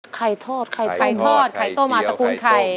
ไข่ทอดไข่ต้มไข่เตี้ยวไข่ต้ม